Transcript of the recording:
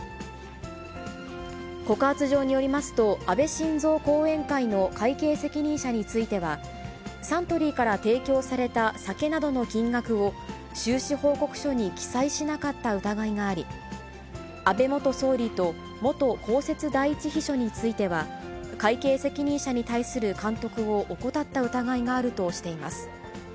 告発状によりますと、安倍晋三後援会の会計責任者については、サントリーから提供された酒などの金額を、収支報告書に記載しなかった疑いがあり、安倍元総理と元公設第１秘書については、会計責任者に対する監督を怠った疑いがあるとしています。